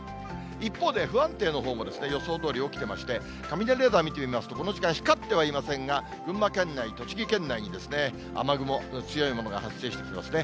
一方で、不安定のほうも予想どおり起きてまして、雷レーダー見てみますと、この時間、光ってはいませんが、群馬県内、栃木県内に雨雲の強いものが発生してきてますね。